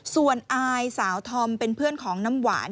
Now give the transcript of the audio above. ส่วนอายสาวธอมเป็นเพื่อนของน้ำหวาน